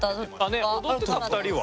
ね踊ってた２人は？